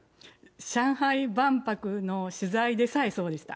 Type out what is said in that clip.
上海万博の取材でさえそうでした。